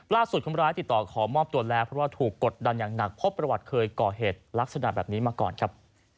คนร้ายติดต่อขอมอบตัวแล้วเพราะว่าถูกกดดันอย่างหนักพบประวัติเคยก่อเหตุลักษณะแบบนี้มาก่อนครับ